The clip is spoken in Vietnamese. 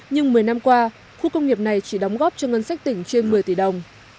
nhưng một mươi năm qua khu công nghiệp này chỉ đóng góp cho ngân sách tỉnh trên một mươi tỷ đồng